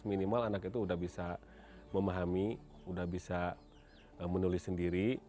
minimal anak itu sudah bisa memahami udah bisa menulis sendiri